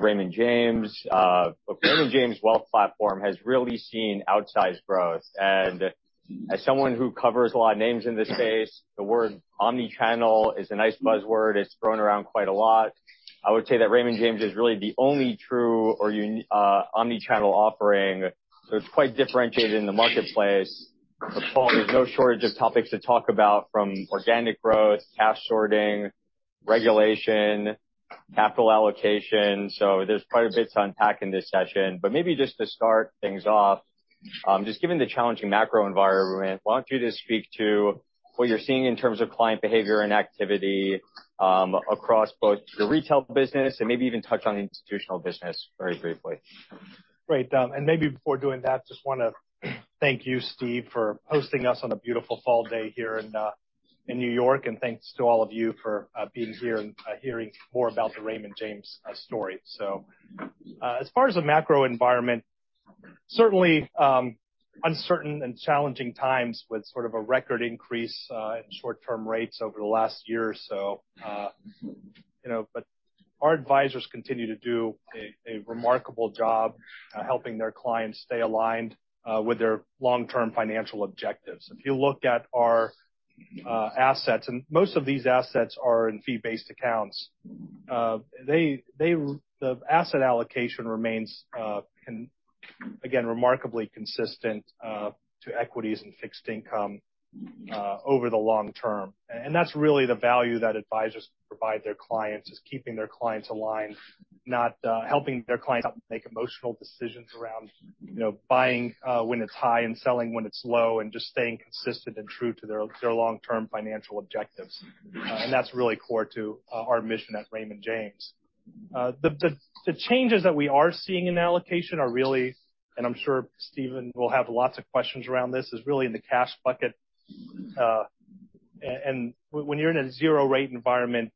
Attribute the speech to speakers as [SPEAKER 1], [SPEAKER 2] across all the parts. [SPEAKER 1] Raymond James, Raymond James wealth platform has really seen outsized growth. And as someone who covers a lot of names in this space, the word omnichannel is a nice buzzword. It's thrown around quite a lot. I would say that Raymond James is really the only true omnichannel offering, so it's quite differentiated in the marketplace. But Paul, there's no shortage of topics to talk about, from organic growth, cash sorting, regulation, capital allocation. So there's quite a bit to unpack in this session. But maybe just to start things off, just given the challenging macro environment, why don't you just speak to what you're seeing in terms of client behavior and activity, across both your retail business and maybe even touch on the institutional business very briefly?
[SPEAKER 2] Great, and maybe before doing that, just wanna thank you, Steve, for hosting us on a beautiful fall day here in New York. And thanks to all of you for being here and hearing more about the Raymond James story. As far as the macro environment, certainly uncertain and challenging times with sort of a record increase in short-term rates over the last year or so, you know, but our advisors continue to do a remarkable job helping their clients stay aligned with their long-term financial objectives. If you look at our assets, and most of these assets are in fee-based accounts, their asset allocation remains again remarkably consistent to equities and fixed income over the long term. And that's really the value that advisors provide their clients: is keeping their clients aligned, not helping their clients make emotional decisions around, you know, buying when it's high and selling when it's low, and just staying consistent and true to their long-term financial objectives. That's really core to our mission at Raymond James. The changes that we are seeing in allocation are really (and I'm sure Steven will have lots of questions around this) is really in the cash bucket. And when you're in a zero-rate environment,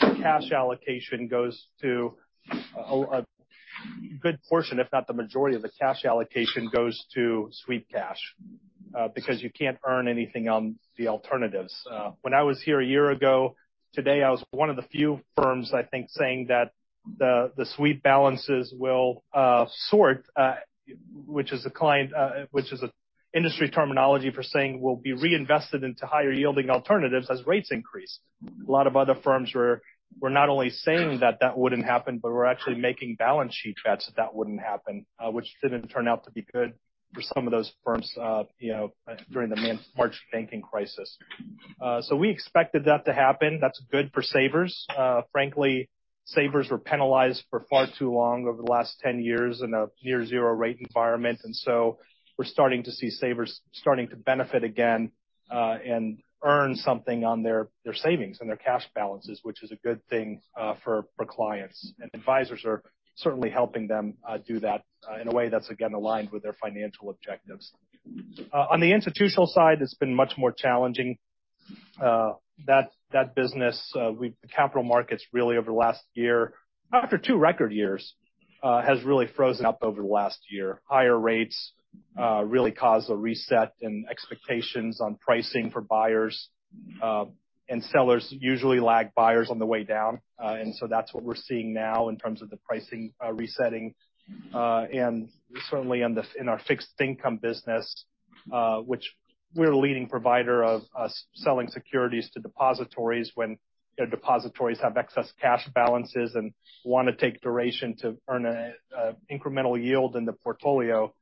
[SPEAKER 2] cash allocation goes to a good portion, if not the majority of the cash allocation, goes to sweep cash, because you can't earn anything on the alternatives. When I was here a year ago today, I was one of the few firms, I think, saying that the sweep balances will sort, which is an industry terminology for saying will be reinvested into higher-yielding alternatives as rates increase. A lot of other firms were not only saying that that wouldn't happen, but were actually making balance sheet bets that that wouldn't happen, which didn't turn out to be good for some of those firms, you know, during the March banking crisis, so we expected that to happen. That's good for savers. Frankly, savers were penalized for far too long over the last 10 years in a near-zero-rate environment, and so we're starting to see savers starting to benefit again, and earn something on their savings and their cash balances, which is a good thing for clients. Advisors are certainly helping them do that in a way that's, again, aligned with their financial objectives. On the institutional side, it's been much more challenging. That business, the Capital Markets really over the last year, after two record years, has really frozen up over the last year. Higher rates really cause a reset in expectations on pricing for buyers. Sellers usually lag buyers on the way down. So that's what we're seeing now in terms of the pricing resetting. And certainly in our fixed income business, which we're a leading provider of, selling securities to depositories when you know depositories have excess cash balances and wanna take duration to earn an incremental yield in the portfolio.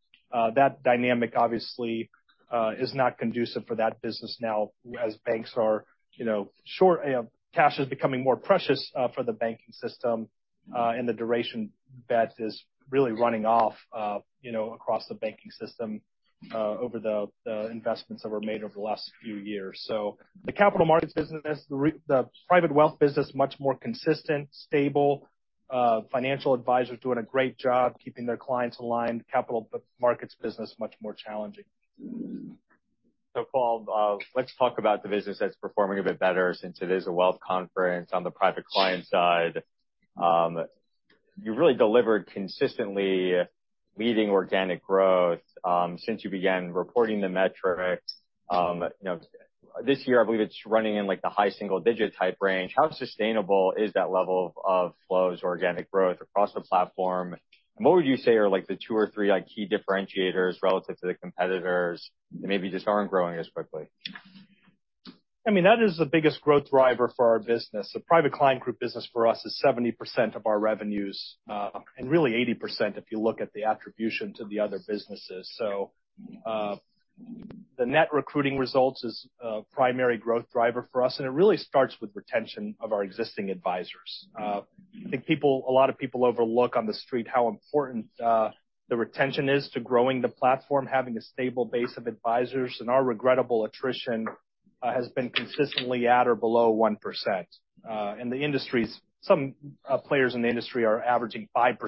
[SPEAKER 2] That dynamic, obviously, is not conducive for that business now as banks are, you know, short, you know, cash is becoming more precious, for the banking system, and the duration bet is really running off, you know, across the banking system, over the investments that were made over the last few years. So the capital markets business, the private wealth business, much more consistent, stable. Financial advisors doing a great job keeping their clients aligned. Capital markets business, much more challenging.
[SPEAKER 1] So Paul, let's talk about the business that's performing a bit better since it is a wealth conference on the private client side. You really delivered consistently leading organic growth, since you began reporting the metrics. You know, this year, I believe it's running in, like, the high single-digit type range. How sustainable is that level of flows, organic growth across the platform? And what would you say are, like, the two or three, like, key differentiators relative to the competitors that maybe just aren't growing as quickly?
[SPEAKER 2] I mean, that is the biggest growth driver for our business. The Private Client Group business for us is 70% of our revenues, and really 80% if you look at the attribution to the other businesses. So, the net recruiting results is a primary growth driver for us. And it really starts with retention of our existing advisors. I think people, a lot of people overlook on the street how important, the retention is to growing the platform, having a stable base of advisors. And our regrettable attrition has been consistently at or below 1%. The industry, some players in the industry are averaging 5%,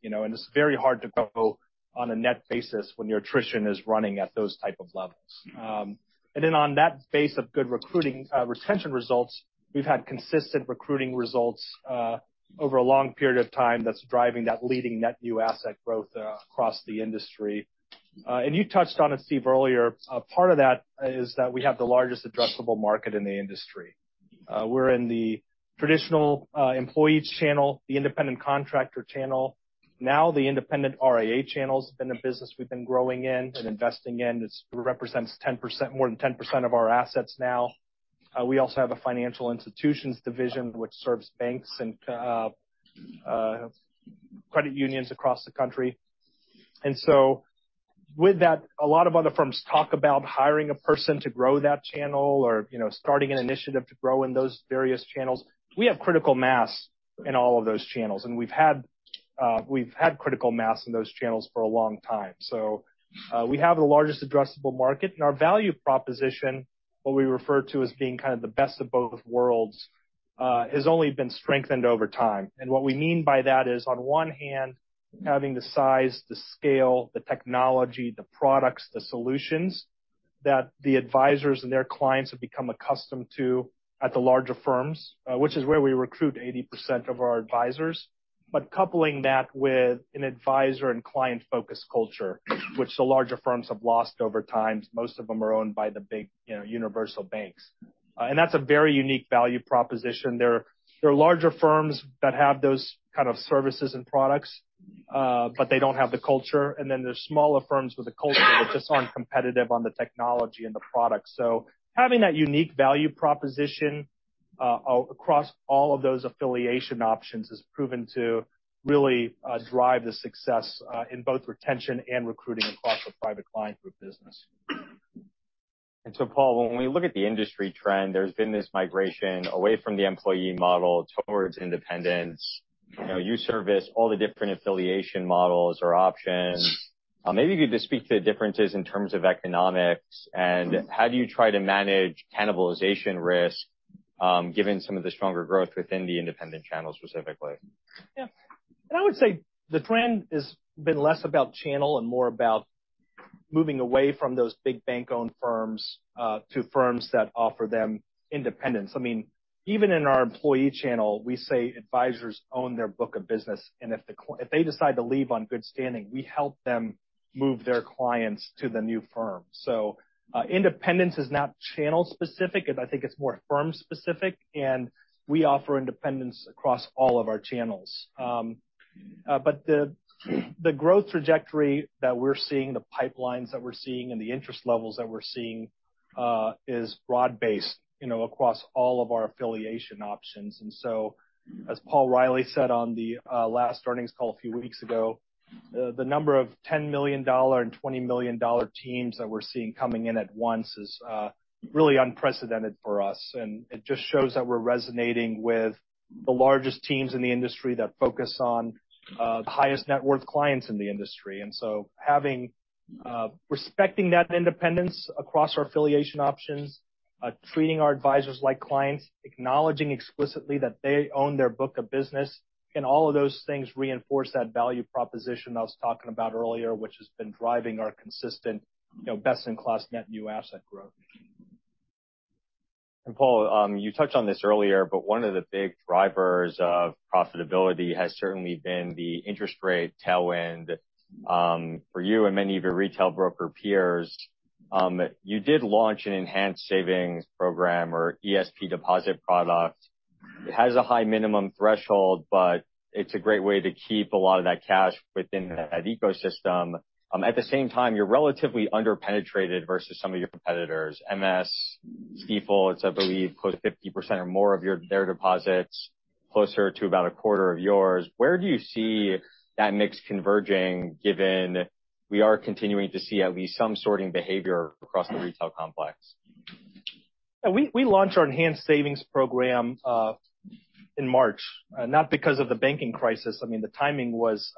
[SPEAKER 2] you know, and it's very hard to grow on a net basis when your attrition is running at those type of levels. And then on that base of good recruiting, retention results, we've had consistent recruiting results over a long period of time. That's driving that leading net new asset growth across the industry. And you touched on it, Steve, earlier. Part of that is that we have the largest addressable market in the industry. We're in the traditional employee channel, the independent contractor channel. Now the independent RIA channel's been a business we've been growing in and investing in. It represents more than 10% of our assets now. We also have a Financial Institutions Division which serves banks and credit unions across the country. And so with that, a lot of other firms talk about hiring a person to grow that channel or, you know, starting an initiative to grow in those various channels. We have critical mass in all of those channels, and we've had critical mass in those channels for a long time. So, we have the largest addressable market, and our value proposition, what we refer to as being kind of the best of both worlds, has only been strengthened over time. And what we mean by that is, on one hand, having the size, the scale, the technology, the products, the solutions that the advisors and their clients have become accustomed to at the larger firms, which is where we recruit 80% of our advisors. But coupling that with an advisor and client-focused culture, which the larger firms have lost over time. Most of them are owned by the big, you know, universal banks, and that's a very unique value proposition. There are larger firms that have those kind of services and products, but they don't have the culture. And then there's smaller firms with a culture that just aren't competitive on the technology and the product. So having that unique value proposition, across all of those affiliation options has proven to really, drive the success, in both retention and recruiting across the Private Client Group business.
[SPEAKER 1] And so, Paul, when we look at the industry trend, there's been this migration away from the employee model towards independence. You know, you service all the different affiliation models or options. Maybe you could just speak to the differences in terms of economics. And how do you try to manage cannibalization risk, given some of the stronger growth within the independent channel specifically?
[SPEAKER 2] Yeah. And I would say the trend has been less about channel and more about moving away from those big bank-owned firms, to firms that offer them independence. I mean, even in our employee channel, we say advisors own their book of business. And if they decide to leave on good standing, we help them move their clients to the new firm. So, independence is not channel specific. I think it's more firm specific, and we offer independence across all of our channels. But the growth trajectory that we're seeing, the pipelines that we're seeing, and the interest levels that we're seeing, is broad-based, you know, across all of our affiliation options. As Paul Reilly said on the last earnings call a few weeks ago, the number of $10 million and $20 million teams that we're seeing coming in at once is really unprecedented for us. It just shows that we're resonating with the largest teams in the industry that focus on the highest net worth clients in the industry. Having respecting that independence across our affiliation options, treating our advisors like clients, acknowledging explicitly that they own their book of business, and all of those things reinforce that value proposition I was talking about earlier, which has been driving our consistent you know best-in-class net new asset growth.
[SPEAKER 1] And Paul, you touched on this earlier, but one of the big drivers of profitability has certainly been the interest rate tailwind for you and many of your retail broker peers. You did launch an Enhanced Savings Program or ESP deposit product. It has a high minimum threshold, but it's a great way to keep a lot of that cash within that ecosystem. At the same time, you're relatively under-penetrated versus some of your competitors. MS, Stifel, it's, I believe, close to 50% or more of their deposits, closer to about a quarter of yours. Where do you see that mix converging given we are continuing to see at least some sorting behavior across the retail complex?
[SPEAKER 2] Yeah. We launched our Enhanced Savings Program in March, not because of the banking crisis. I mean, the timing was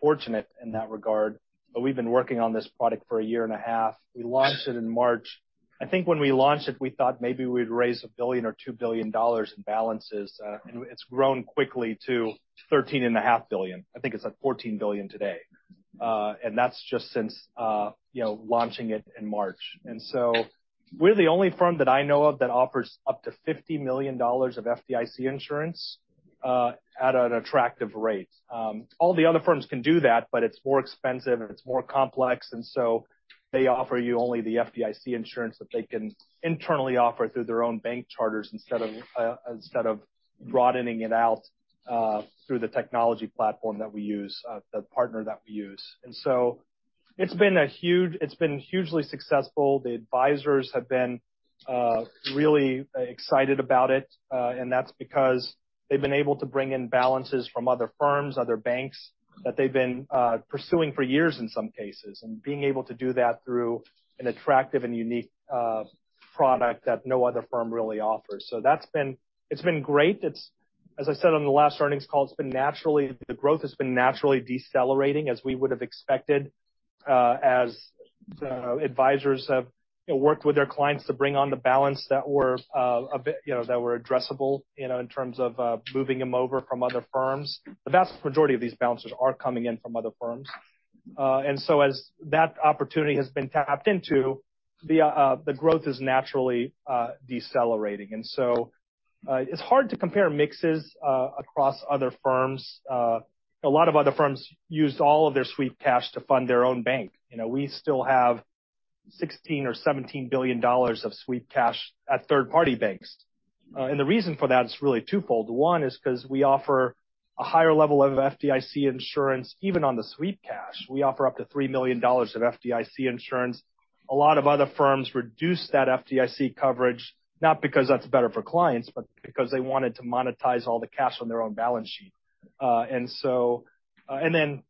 [SPEAKER 2] fortunate in that regard. But we've been working on this product for a year and a half. We launched it in March. I think when we launched it, we thought maybe we'd raise $1 billion or $2 billion in balances. And it's grown quickly to $13.5 billion. I think it's at $14 billion today. And that's just since, you know, launching it in March. And so we're the only firm that I know of that offers up to $50 million of FDIC insurance at an attractive rate. All the other firms can do that, but it's more expensive. It's more complex. And so they offer you only the FDIC insurance that they can internally offer through their own bank charters instead of broadening it out through the technology platform that we use, the partner that we use. And so it's been hugely successful. The advisors have been really excited about it. And that's because they've been able to bring in balances from other firms, other banks that they've been pursuing for years in some cases, and being able to do that through an attractive and unique product that no other firm really offers. So that's been great. It's, as I said on the last earnings call, it's been naturally the growth has been naturally decelerating as we would have expected, as advisors have, you know, worked with their clients to bring on the balance that were, a bit, you know, that were addressable, you know, in terms of moving them over from other firms. The vast majority of these balances are coming in from other firms. And so as that opportunity has been tapped into, the growth is naturally decelerating. And so, it's hard to compare mixes across other firms. A lot of other firms used all of their sweep cash to fund their own bank. You know, we still have $16 billion-$17 billion of sweep cash at third-party banks. And the reason for that is really twofold. One is because we offer a higher level of FDIC insurance even on the sweep cash. We offer up to $3 million of FDIC insurance. A lot of other firms reduce that FDIC coverage, not because that's better for clients, but because they wanted to monetize all the cash on their own balance sheet, and so and then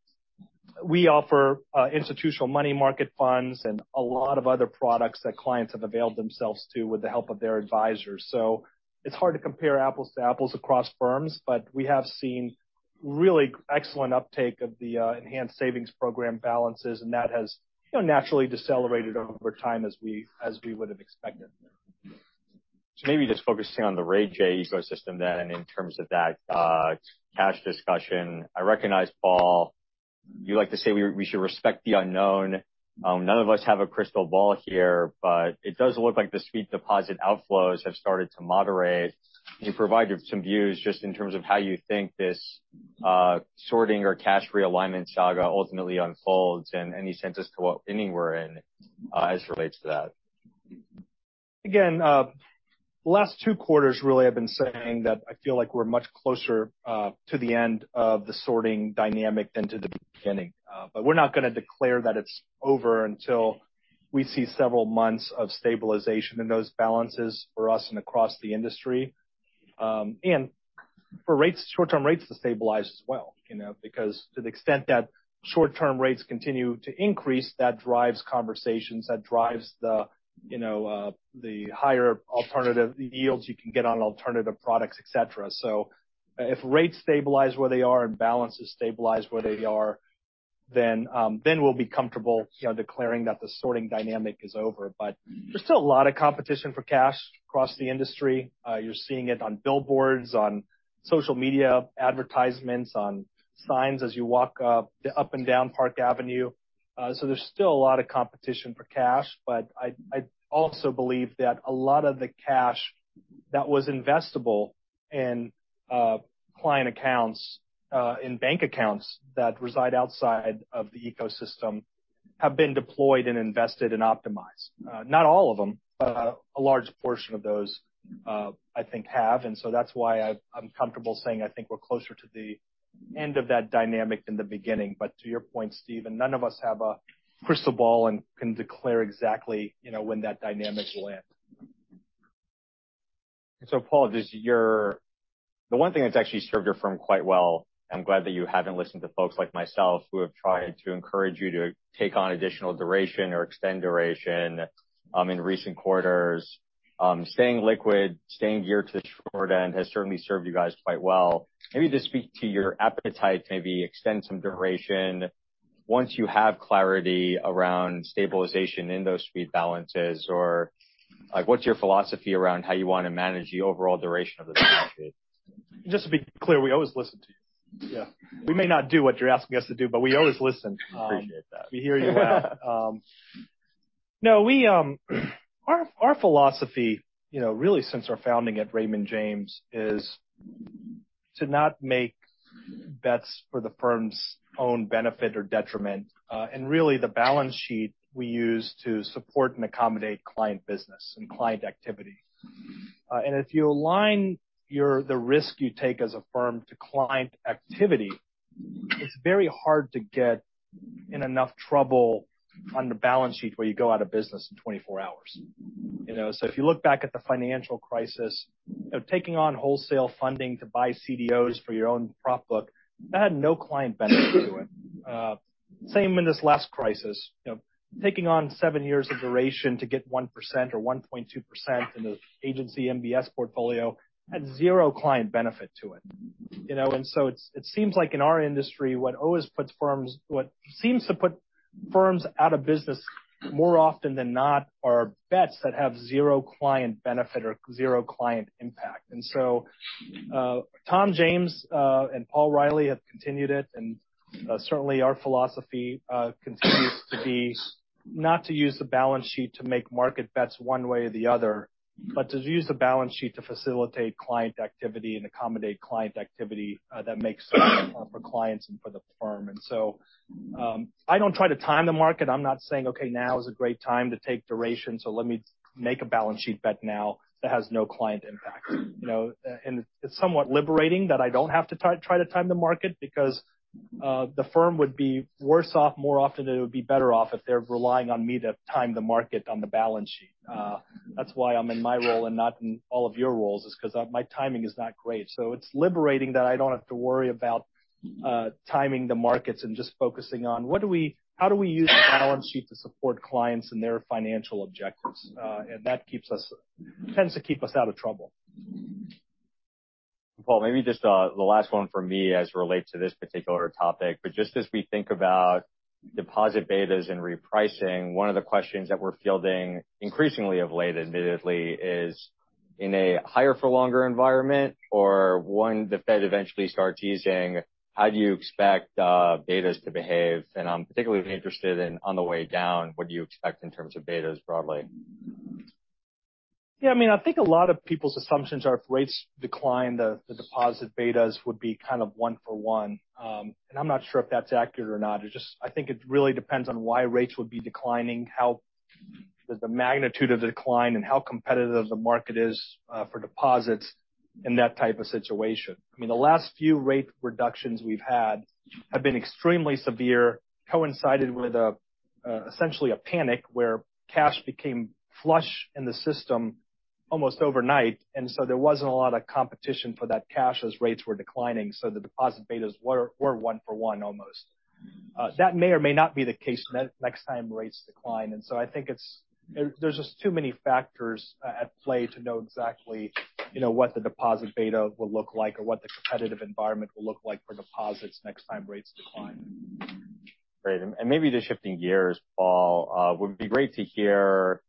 [SPEAKER 2] we offer institutional money market funds and a lot of other products that clients have availed themselves to with the help of their advisors. So it's hard to compare apples to apples across firms, but we have seen really excellent uptake of the Enhanced Savings Program balances, and that has, you know, naturally decelerated over time as we would have expected.
[SPEAKER 1] So, maybe just focusing on the RJ ecosystem then in terms of that cash discussion. I recognize, Paul, you like to say we should respect the unknown. None of us have a crystal ball here, but it does look like the sweep deposit outflows have started to moderate. Can you provide some views just in terms of how you think this sorting or cash realignment saga ultimately unfolds and any sense as to what end we're in, as it relates to that?
[SPEAKER 2] Again, the last two quarters really have been saying that I feel like we're much closer to the end of the sorting dynamic than to the beginning. But we're not gonna declare that it's over until we see several months of stabilization in those balances for us and across the industry and for rates, short-term rates to stabilize as well, you know, because to the extent that short-term rates continue to increase, that drives conversations, that drives the, you know, the higher alternative yields you can get on alternative products, etc. So, if rates stabilize where they are and balances stabilize where they are, then, then we'll be comfortable, you know, declaring that the sorting dynamic is over. But there's still a lot of competition for cash across the industry. You're seeing it on billboards, on social media advertisements, on signs as you walk the up and down Park Avenue. So there's still a lot of competition for cash. But I, I also believe that a lot of the cash that was investable in client accounts, in bank accounts that reside outside of the ecosystem have been deployed and invested and optimized. Not all of them, but a large portion of those, I think have. And so that's why I'm, I'm comfortable saying I think we're closer to the end of that dynamic than the beginning. But to your point, Steven, none of us have a crystal ball and can declare exactly, you know, when that dynamic will end.
[SPEAKER 1] Paul, the one thing that's actually served your firm quite well. I'm glad that you haven't listened to folks like myself who have tried to encourage you to take on additional duration or extend duration in recent quarters. Staying liquid, staying geared to the short end has certainly served you guys quite well. Maybe to speak to your appetite, maybe extend some duration once you have clarity around stabilization in those sweep balances, or like, what's your philosophy around how you wanna manage the overall duration of the strategy?
[SPEAKER 2] Just to be clear, we always listen to you. Yeah. We may not do what you're asking us to do, but we always listen.
[SPEAKER 1] I appreciate that.
[SPEAKER 2] We hear you out. No, our philosophy, you know, really since our founding at Raymond James, is to not make bets for the firm's own benefit or detriment, and really the balance sheet we use to support and accommodate client business and client activity, and if you align the risk you take as a firm to client activity, it's very hard to get in enough trouble on the balance sheet where you go out of business in 24 hours. You know, so if you look back at the financial crisis, you know, taking on wholesale funding to buy CDOs for your own prop book, that had no client benefit to it. Same in this last crisis, you know, taking on seven years of duration to get 1% or 1.2% in the agency MBS portfolio had zero client benefit to it. You know, and so it seems like in our industry what seems to put firms out of business more often than not are bets that have zero client benefit or zero client impact. Tom James and Paul Reilly have continued it. Certainly our philosophy continues to be not to use the balance sheet to make market bets one way or the other, but to use the balance sheet to facilitate client activity and accommodate client activity that makes sense for clients and for the firm. I don't try to time the market. I'm not saying, "Okay, now is a great time to take duration, so let me make a balance sheet bet now that has no client impact." You know, and it's somewhat liberating that I don't have to try, try to time the market because the firm would be worse off more often than it would be better off if they're relying on me to time the market on the balance sheet. That's why I'm in my role and not in all of your roles is because my timing is not great. So it's liberating that I don't have to worry about timing the markets and just focusing on how do we use the balance sheet to support clients and their financial objectives, and that tends to keep us out of trouble.
[SPEAKER 1] Paul, maybe just the last one for me as it relates to this particular topic, but just as we think about deposit betas and repricing, one of the questions that we're fielding increasingly of late, admittedly, is in a higher-for-longer environment or when the Fed eventually starts easing, how do you expect betas to behave? And I'm particularly interested, on the way down, what do you expect in terms of betas broadly?
[SPEAKER 2] Yeah. I mean, I think a lot of people's assumptions are if rates decline, the, the deposit betas would be kind of one for one, and I'm not sure if that's accurate or not. It just, I think it really depends on why rates would be declining, how the, the magnitude of the decline and how competitive the market is, for deposits in that type of situation. I mean, the last few rate reductions we've had have been extremely severe, coincided with a, essentially a panic where cash became flush in the system almost overnight. And so there wasn't a lot of competition for that cash as rates were declining. So the deposit betas were one for one almost. That may or may not be the case next time rates decline. And so I think it's there are just too many factors at play to know exactly, you know, what the deposit beta will look like or what the competitive environment will look like for deposits next time rates decline.
[SPEAKER 1] Great. And, and maybe just shifting gears, Paul, would be great to hear,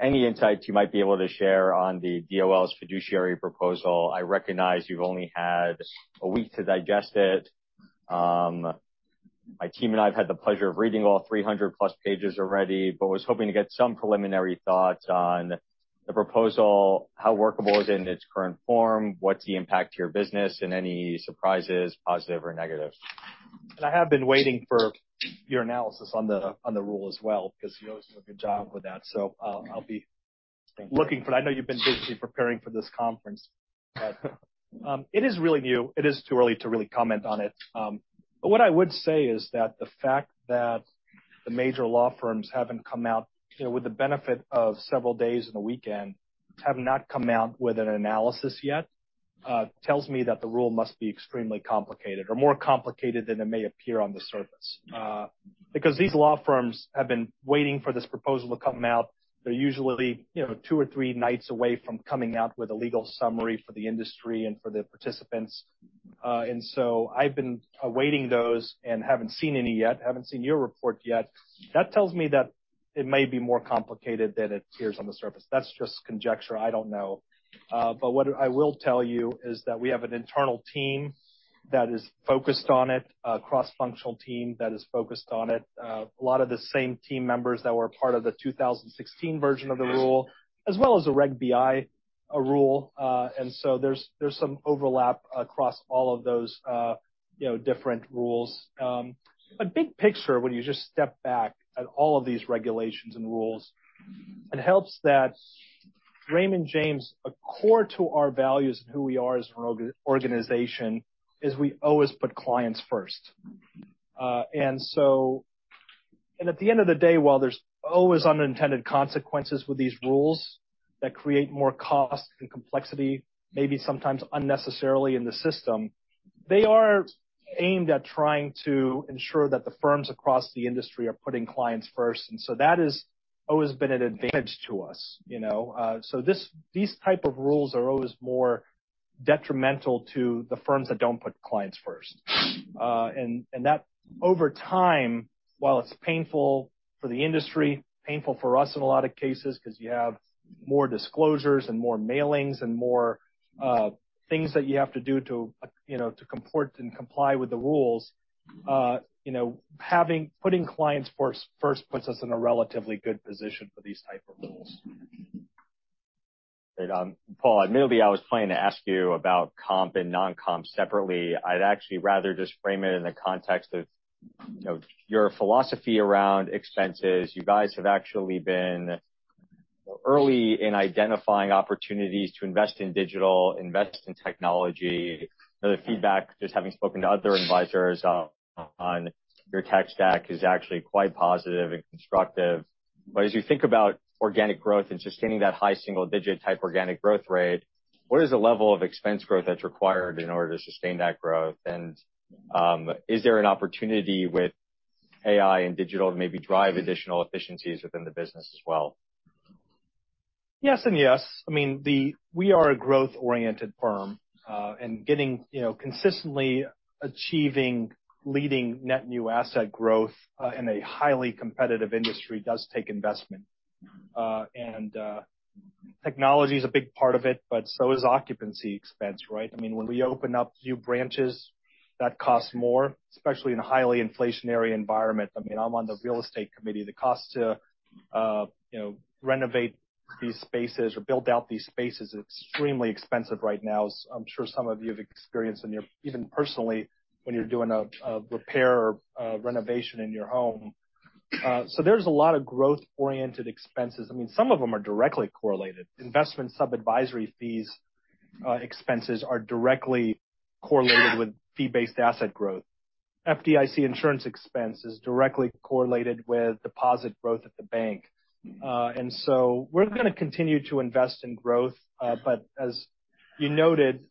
[SPEAKER 1] any insights you might be able to share on the DOL's fiduciary proposal. I recognize you've only had a week to digest it. My team and I have had the pleasure of reading all 300-plus pages already, but was hoping to get some preliminary thoughts on the proposal, how workable is it in its current form, what's the impact to your business, and any surprises, positive or negatives?
[SPEAKER 2] I have been waiting for your analysis on the rule as well because you always do a good job with that. So, I'll be looking for that. I know you've been busy preparing for this conference, but it is really new. It is too early to really comment on it. But what I would say is that the fact that the major law firms haven't come out, you know, with the benefit of several days in the weekend, have not come out with an analysis yet, tells me that the rule must be extremely complicated or more complicated than it may appear on the surface. Because these law firms have been waiting for this proposal to come out. They're usually, you know, two or three nights away from coming out with a legal summary for the industry and for the participants. And so I've been awaiting those and haven't seen any yet, haven't seen your report yet. That tells me that it may be more complicated than it appears on the surface. That's just conjecture. I don't know, but what I will tell you is that we have an internal team that is focused on it, a cross-functional team that is focused on it, a lot of the same team members that were part of the 2016 version of the rule, as well as a Reg BI rule. And so there's some overlap across all of those, you know, different rules. But big picture, when you just step back at all of these regulations and rules, it helps that Raymond James, a core to our values and who we are as an organization, is we always put clients first. And so at the end of the day, while there's always unintended consequences with these rules that create more cost and complexity, maybe sometimes unnecessarily in the system, they are aimed at trying to ensure that the firms across the industry are putting clients first, and so that has always been an advantage to us, you know, so these type of rules are always more detrimental to the firms that don't put clients first, and that over time, while it's painful for the industry, painful for us in a lot of cases because you have more disclosures and more mailings and more things that you have to do to, you know, to comport and comply with the rules, you know, having putting clients first puts us in a relatively good position for these type of rules.
[SPEAKER 1] Great. Paul, admittedly, I was planning to ask you about comp and non-comp separately. I'd actually rather just frame it in the context of, you know, your philosophy around expenses. You guys have actually been early in identifying opportunities to invest in digital, invest in technology. The feedback, just having spoken to other advisors on your tech stack, is actually quite positive and constructive. But as you think about organic growth and sustaining that high single-digit type organic growth rate, what is the level of expense growth that's required in order to sustain that growth? And, is there an opportunity with AI and digital to maybe drive additional efficiencies within the business as well?
[SPEAKER 2] Yes and yes. I mean, we are a growth-oriented firm, and getting, you know, consistently achieving leading net new asset growth in a highly competitive industry does take investment and technology is a big part of it, but so is occupancy expense, right? I mean, when we open up new branches, that costs more, especially in a highly inflationary environment. I mean, I'm on the real estate committee. The cost to, you know, renovate these spaces or build out these spaces is extremely expensive right now. I'm sure some of you have experienced in your own, even personally when you're doing a repair or renovation in your home, so there's a lot of growth-oriented expenses. I mean, some of them are directly correlated. Investment sub-advisory fees, expenses are directly correlated with fee-based asset growth. FDIC insurance expense is directly correlated with deposit growth at the bank. And so we're gonna continue to invest in growth. But as you noted,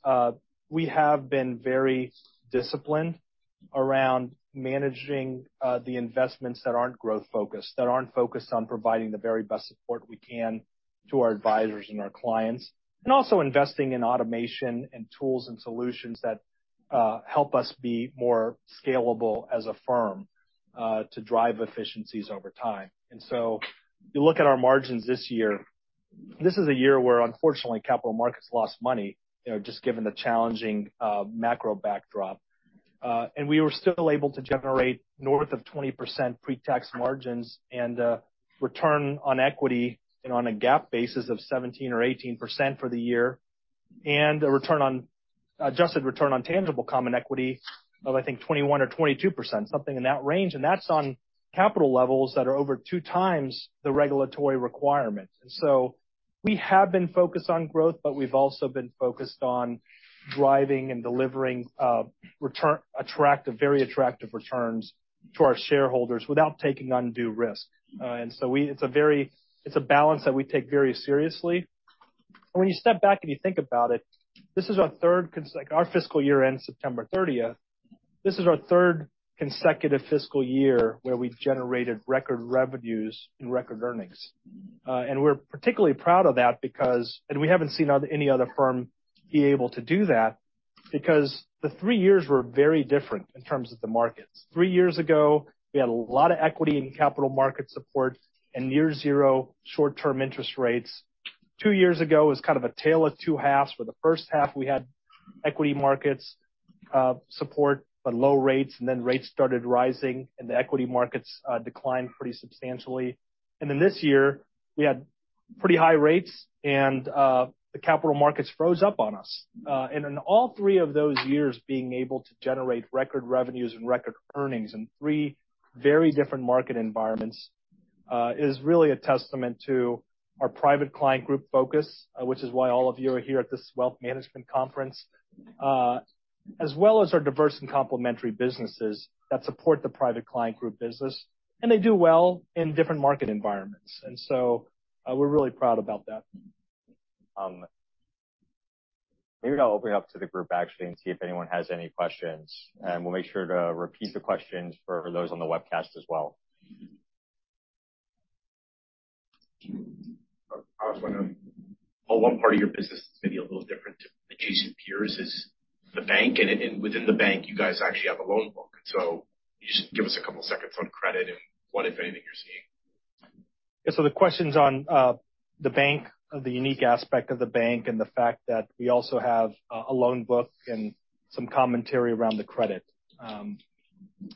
[SPEAKER 2] we have been very disciplined around managing the investments that aren't growth-focused, that aren't focused on providing the very best support we can to our advisors and our clients, and also investing in automation and tools and solutions that help us be more scalable as a firm, to drive efficiencies over time. And so you look at our margins this year, this is a year where, unfortunately, capital markets lost money, you know, just given the challenging macro backdrop. And we were still able to generate north of 20% pre-tax margins and return on equity and on a GAAP basis of 17 or 18% for the year, and an adjusted return on tangible common equity of, I think, 21% or 22%, something in that range. That's on capital levels that are over 2x the regulatory requirement. We have been focused on growth, but we've also been focused on driving and delivering attractive, very attractive returns to our shareholders without taking undue risk. It's a balance that we take very seriously. When you step back and you think about it, this is our third consecutive fiscal year ends September 30th. This is our third consecutive fiscal year where we generated record revenues and record earnings. We're particularly proud of that because we haven't seen any other firm be able to do that because the three years were very different in terms of the markets. Three years ago, we had a lot of equity and capital market support and near-zero short-term interest rates. Two years ago was kind of a tale of two halves, where the first half we had equity markets support, but low rates, and then rates started rising and the equity markets declined pretty substantially, and then this year, we had pretty high rates and the capital markets froze up on us, and in all three of those years, being able to generate record revenues and record earnings in three very different market environments is really a testament to our Private Client Group focus, which is why all of you are here at this Wealth Management Conference, as well as our diverse and complementary businesses that support the Private Client Group business, and they do well in different market environments, and so we're really proud about that.
[SPEAKER 1] Maybe I'll open it up to the group actually and see if anyone has any questions, and we'll make sure to repeat the questions for those on the webcast as well. I was wondering, Paul, one part of your business is maybe a little different to adjacent peers is the bank. And within the bank, you guys actually have a loan book. And so you just give us a couple of seconds on credit and what, if anything, you're seeing.
[SPEAKER 2] Yeah. So the questions on the bank, the unique aspect of the bank, and the fact that we also have a loan book and some commentary around the credit.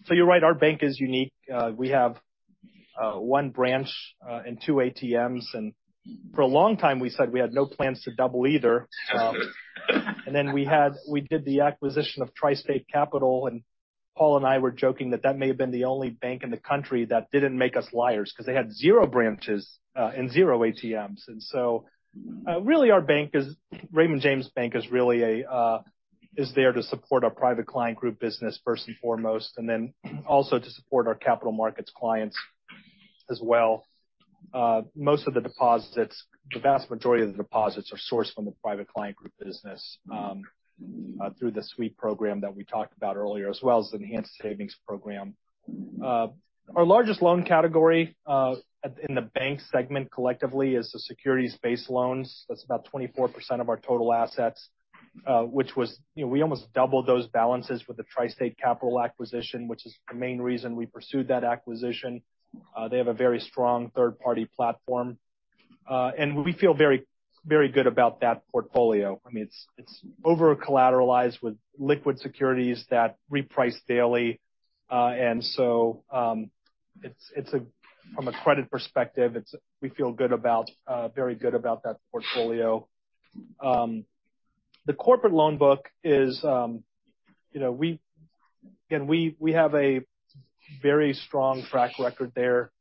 [SPEAKER 2] So you're right. Our bank is unique. We have one branch and two ATMs. And for a long time, we said we had no plans to double either. And then we did the acquisition of TriState Capital. And Paul and I were joking that that may have been the only bank in the country that didn't make us liars because they had zero branches and zero ATMs. And so really, our bank, Raymond James Bank, is really there to support our Private Client Group business first and foremost, and then also to support our Capital Markets clients as well. Most of the deposits, the vast majority of the deposits, are sourced from the Private Client Group business, through the sweep program that we talked about earlier, as well as the Enhanced Savings Program. Our largest loan category, in the bank segment collectively, is the securities-based loans. That's about 24% of our total assets, which was, you know, we almost doubled those balances with the TriState Capital acquisition, which is the main reason we pursued that acquisition. They have a very strong third-party platform, and we feel very, very good about that portfolio. I mean, it's, it's over-collateralized with liquid securities that reprice daily, and so, it's, it's a from a credit perspective, it's we feel good about, very good about that portfolio. The corporate loan book is, you know, we again have a very strong track record there,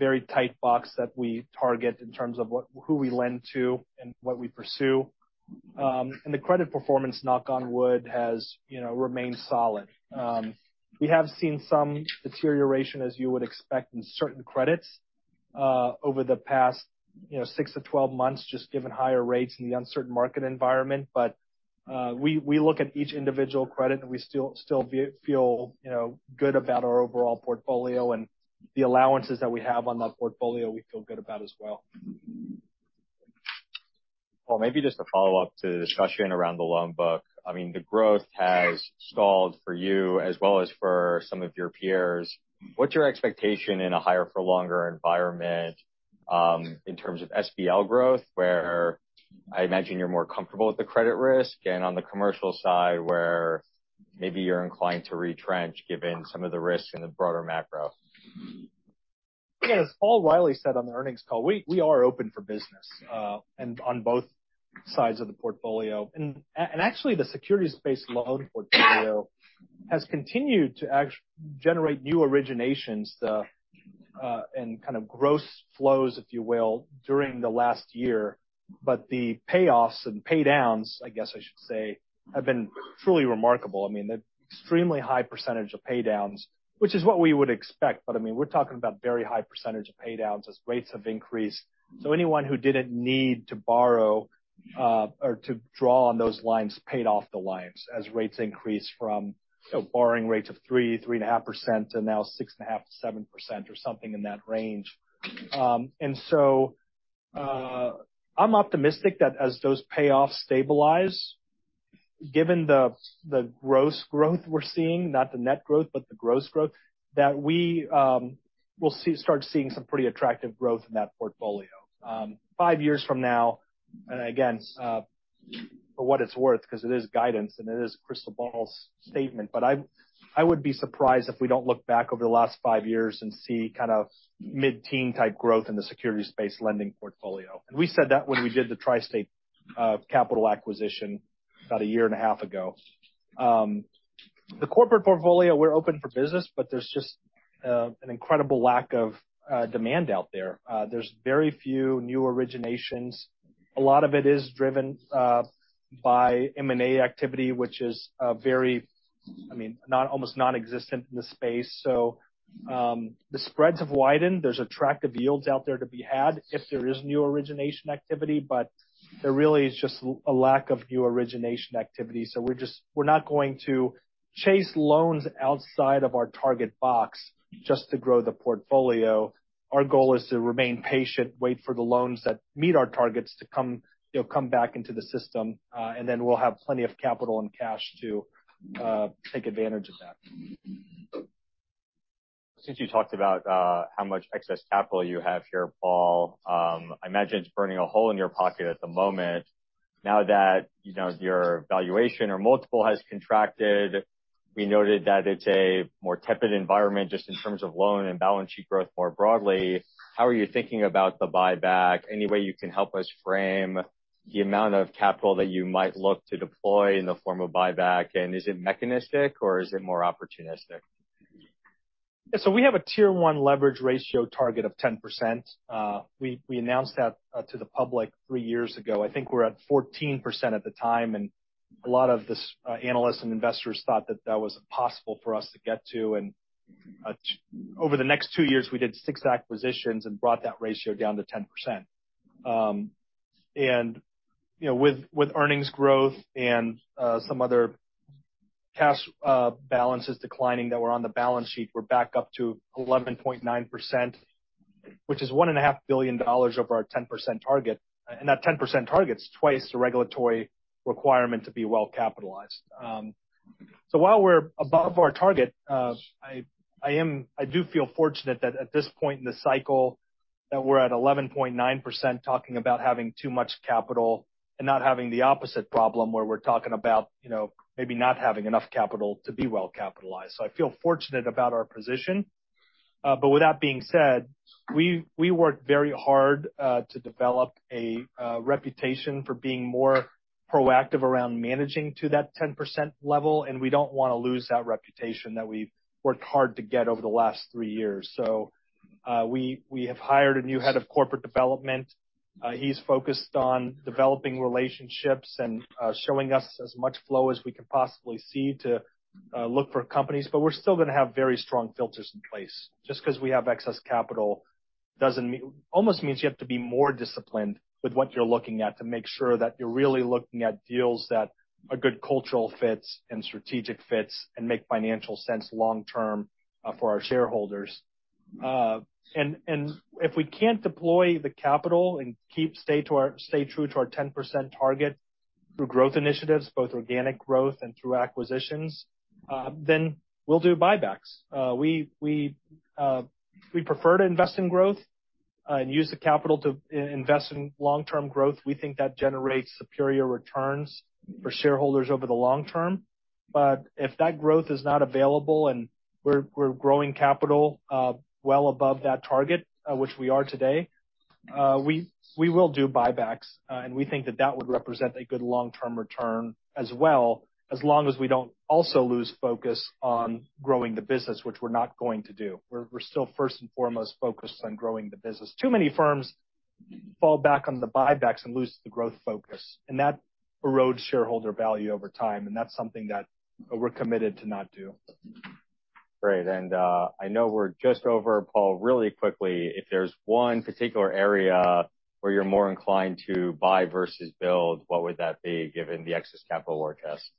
[SPEAKER 2] very tight box that we target in terms of who we lend to and what we pursue. The credit performance, knock on wood, has, you know, remained solid. We have seen some deterioration, as you would expect, in certain credits, over the past, you know, six to 12 months, just given higher rates and the uncertain market environment. We look at each individual credit and we still feel, you know, good about our overall portfolio. We feel good about the allowances that we have on that portfolio as well.
[SPEAKER 1] Paul, maybe just to follow up to the discussion around the loan book. I mean, the growth has stalled for you as well as for some of your peers. What's your expectation in a higher-for-longer environment, in terms of SBL growth, where I imagine you're more comfortable with the credit risk, and on the commercial side, where maybe you're inclined to retrench given some of the risks in the broader macro?
[SPEAKER 2] Yeah. As Paul Reilly said on the earnings call, we are open for business, and on both sides of the portfolio. And actually, the securities-based loan portfolio has continued to actually generate new originations and kind of gross flows, if you will, during the last year. But the payoffs and paydowns, I guess I should say, have been truly remarkable. I mean, the extremely high percentage of paydowns, which is what we would expect. But I mean, we're talking about very high percentage of paydowns as rates have increased. So anyone who didn't need to borrow, or to draw on those lines paid off the lines as rates increased from, you know, borrowing rates of 3%-3.5% to now 6.5%-7% or something in that range. And so, I'm optimistic that as those payoffs stabilize, given the, the gross growth we're seeing, not the net growth, but the gross growth, that we, will see start seeing some pretty attractive growth in that portfolio. Five years from now, and again, for what it's worth, because it is guidance and it is crystal ball statement, but I, I would be surprised if we don't look back over the last five years and see kind of mid-teen type growth in the securities-based lending portfolio. We said that when we did the TriState Capital acquisition about a year and a half ago. The corporate portfolio, we're open for business, but there's just, an incredible lack of, demand out there. There's very few new originations. A lot of it is driven, by M&A activity, which is, very, I mean, not almost nonexistent in the space. So, the spreads have widened. There's attractive yields out there to be had if there is new origination activity, but there really is just a lack of new origination activity. So we're just not going to chase loans outside of our target box just to grow the portfolio. Our goal is to remain patient, wait for the loans that meet our targets to come, you know, come back into the system, and then we'll have plenty of capital and cash to take advantage of that.
[SPEAKER 1] Since you talked about how much excess capital you have here, Paul, I imagine it's burning a hole in your pocket at the moment. Now that, you know, your valuation or multiple has contracted, we noted that it's a more tepid environment just in terms of loan and balance sheet growth more broadly. How are you thinking about the buyback? Any way you can help us frame the amount of capital that you might look to deploy in the form of buyback? And is it mechanistic or is it more opportunistic?
[SPEAKER 2] Yeah. So we have a Tier 1 leverage ratio target of 10%. We announced that to the public three years ago. I think we're at 14% at the time. And over the next two years, we did six acquisitions and brought that ratio down to 10%. And you know, with earnings growth and some other cash balances declining that were on the balance sheet, we're back up to 11.9%, which is $1.5 billion over our 10% target. And that 10% target's twice the regulatory requirement to be well-capitalized. So while we're above our target, I do feel fortunate that at this point in the cycle that we're at 11.9%, talking about having too much capital and not having the opposite problem where we're talking about, you know, maybe not having enough capital to be well-capitalized. So I feel fortunate about our position. But with that being said, we worked very hard to develop a reputation for being more proactive around managing to that 10% level. And we don't want to lose that reputation that we've worked hard to get over the last three years. So we have hired a new head of corporate development. He's focused on developing relationships and showing us as much flow as we can possibly see to look for companies. But we're still going to have very strong filters in place. Just because we have excess capital doesn't mean you have to be more disciplined with what you're looking at to make sure that you're really looking at deals that are good cultural fits and strategic fits and make financial sense long-term for our shareholders, and if we can't deploy the capital and stay true to our 10% target through growth initiatives, both organic growth and through acquisitions, then we'll do buybacks. We prefer to invest in growth and use the capital to invest in long-term growth. We think that generates superior returns for shareholders over the long term, but if that growth is not available and we're growing capital well above that target, which we are today, we will do buybacks. And we think that that would represent a good long-term return as well, as long as we don't also lose focus on growing the business, which we're not going to do. We're, we're still first and foremost focused on growing the business. Too many firms fall back on the buybacks and lose the growth focus. And that erodes shareholder value over time. And that's something that we're committed to not do.
[SPEAKER 1] Great. And, I know we're just over, Paul. Really quickly, if there's one particular area where you're more inclined to buy versus build, what would that be given the excess capital orchestration?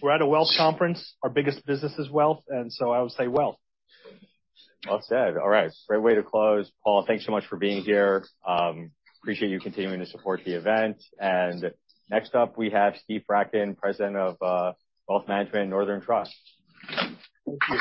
[SPEAKER 2] We're at a wealth conference. Our biggest business is wealth. And so I would say wealth.
[SPEAKER 1] Well said. All right. Great way to close. Paul, thanks so much for being here. Appreciate you continuing to support the event. Next up, we have Steven Fradkin, President of Wealth Management, Northern Trust.
[SPEAKER 3] Thank you.